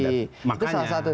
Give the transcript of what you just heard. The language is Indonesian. itu salah satu